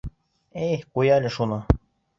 Эй, ҡуй әле шуны!